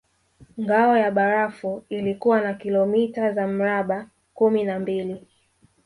Ngao ya barafu ilikuwa na kilomita za mraba kumi na mbili